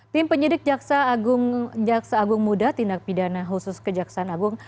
tim penyidik jaksa agung muda tindak pidana khusus kejaksaan agung